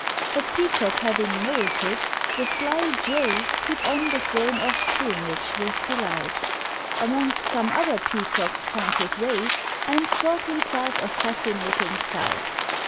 A Peacock having moulted, the sly Jay Put on the thrown off plumage with delight; Amongst some other Peacocks found his way, And thought himself a fascinating sight.